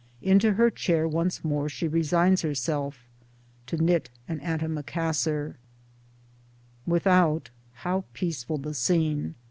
Into her chair once more she resigns herself, to knit an antimacassar. 76 Towards Democracy Without, how peaceful the scene